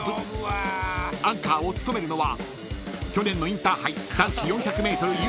［アンカーを務めるのは］